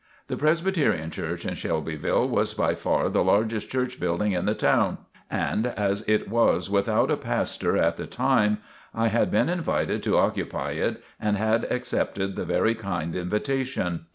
The Presbyterian Church in Shelbyville, was by far the largest church building in the town, and as it was without a pastor at the time, I had been invited to occupy it and had accepted the very kind invitation.